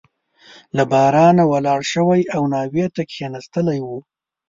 له بارانه ولاړ شوی او ناوې ته کښېنستلی وو.